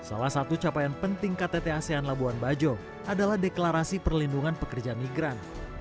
salah satu capaian penting ktt asean labuan bajo adalah deklarasi perlindungan pekerja migran